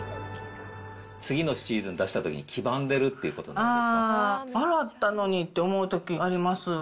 次のシーズンに出したとき、黄ばんでるっていうことないですあー、洗ったのにって思うときあります。